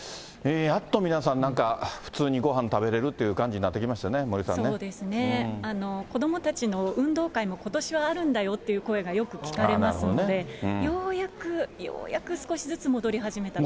やっと皆さん、なんか普通にごはん食べれるっていう感じになってきましたね、森そうですね、子どもたちの運動会も、ことしはあるんだよっていう声がよく聞かれますので、ようやく、ようやく少しずつ、戻り始めた。